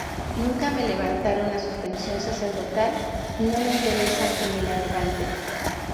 Nunca me levantaron la suspensión sacerdotal y no me interesa que me la levanten".